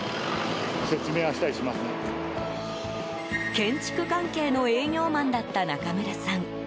建築関係の営業マンだった中村さん。